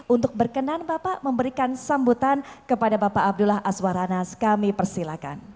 untuk berkenan bapak memberikan sambutan kepada bapak abdullah azwaranas kami persilahkan